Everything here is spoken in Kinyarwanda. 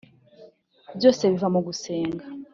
byose biva mu gusenga